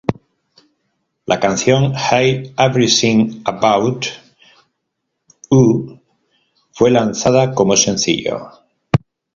La canción "Hate Everything About U" fue lanzado como sencillo.